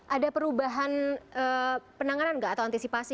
ada perubahan penanganan nggak atau antisipasi